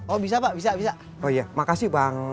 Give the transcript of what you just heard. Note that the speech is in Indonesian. oh iya makasih bang